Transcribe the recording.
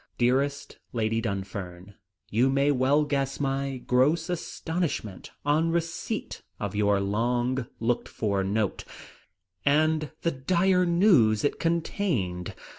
"Dearest Lady Dunfern, "You may well guess my gross astonishment on receipt of your long looked for note, and the dire news it contained.